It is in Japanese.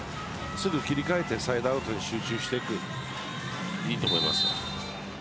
すぐ切り替えてサイドアウトに集中していいと思います。